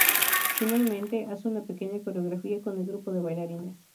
Finalmente, hace una pequeña coreografía con el grupo de bailarines.